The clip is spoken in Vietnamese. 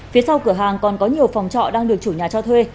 phía sau cửa hàng còn có nhiều phòng trọ đang được chủ nhà cho thuê